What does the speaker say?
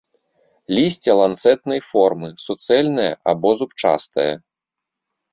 Лісце ланцэтнай формы, суцэльнае або зубчастае.